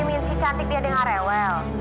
tolongin nyedimin si cantik dia dengan rewel